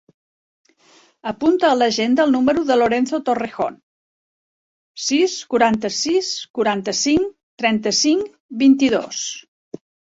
Apunta a l'agenda el número del Lorenzo Torrejon: sis, quaranta-sis, quaranta-cinc, trenta-cinc, vint-i-dos.